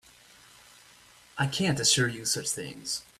I can't assure you such things.